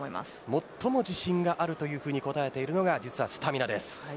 最も自信があるというふうに答えているのが実はスタミナです。